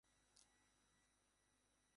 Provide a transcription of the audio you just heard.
এই যুক্তি কি আপনার কাছে গ্রহণযোগ্য মনে হচ্ছে?